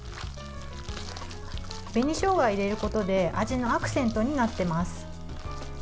紅しょうがを入れることで味のアクセントになっています。